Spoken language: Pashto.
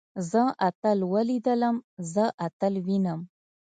زه اتل وليدلم. زه اتل وينم.